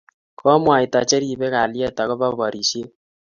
Komwaita che ribei kalyet ak kobo barishet